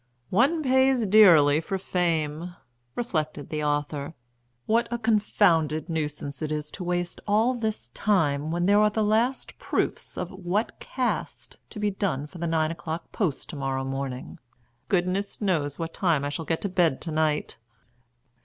"One pays dearly for fame," reflected the author. "What a confounded nuisance it is to waste all this time when there are the last proofs of 'What Caste?' to be done for the nine o'clock post to morrow morning! Goodness knows what time I shall get to bed to night!"